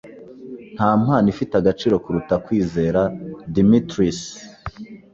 Nta mpano ifite agaciro kuruta kwizera. (dimitris)